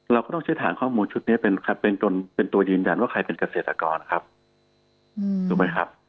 เราก็ต้องใช้ฐานข้อมูลชุดนี้เป็นตัวยืนดำว่าใครเป็นเกษตรกรครับ